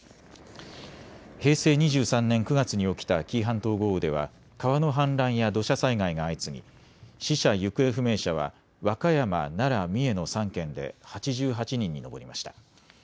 平成２３年９月に起きた紀伊半島豪雨では川の氾濫や土砂災害が相次ぎ死者・行方不明者は和歌山、奈良、三重の３県で８８人に上りました。